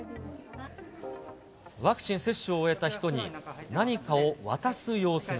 ワクチン接種を終えた人に、何かを渡す様子が。